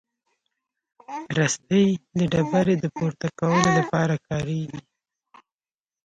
رسۍ د ډبرې د پورته کولو لپاره کارېږي.